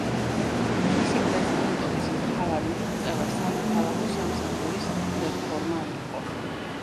მისი პრეზიდენტობის მთავარი მიღწევა სამოქალაქო სამსახურის რეფორმა იყო.